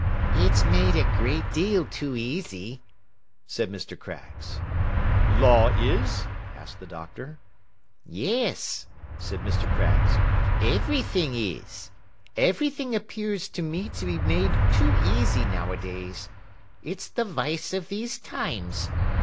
'It's made a great deal too easy,' said Mr. Craggs. 'Law is?' asked the Doctor. 'Yes,' said Mr. Craggs, 'everything is. Everything appears to me to be made too easy, now a days. It's the vice of these times.